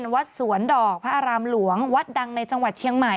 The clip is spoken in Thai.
วัดสวนดอกพระอารามหลวงวัดดังในจังหวัดเชียงใหม่